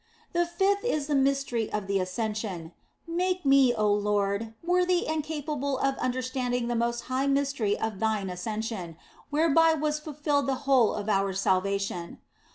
" The fifth is the mystery of the Ascension. Make me, oh Lord, worthy and capable of understanding the most high mystery of Thine Ascension, whereby was fulfilled 256 THE BLESSED ANGELA the whole of our salvation.